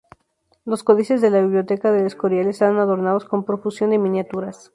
Los códices de la Biblioteca del Escorial están adornados con profusión de miniaturas.